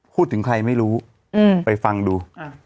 พูดถึงใครไม่รู้ไปฟังดู